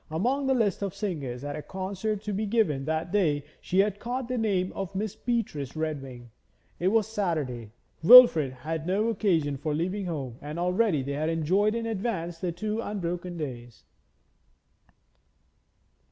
Among the list of singers at a concert to be given that day she had caught the name of Miss Beatrice Redwing. It was Saturday; Wilfrid had no occasion for leaving home and already they had enjoyed in advance the two unbroken days.